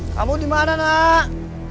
kamu dimana nak